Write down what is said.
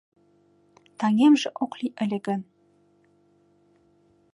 Таҥемже ок лий ыле гын